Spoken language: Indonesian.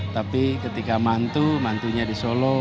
tapi ketika mantu mantunya di solo